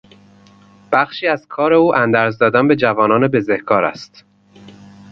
بخشی از کار او اندرز دادن به جوانان بزهکار است.